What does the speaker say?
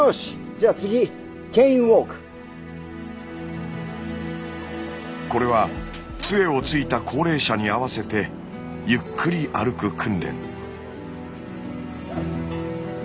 じゃあ次これはつえをついた高齢者に合わせてゆっくり歩く訓練。